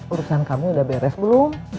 urusan kami udah beres belum